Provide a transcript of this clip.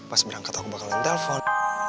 pas berangkat aku bakalan telpon